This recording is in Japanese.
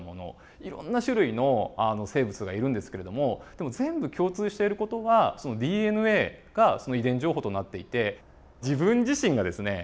いろんな種類の生物がいるんですけれどもでも全部共通している事はＤＮＡが遺伝情報となっていて自分自身がですね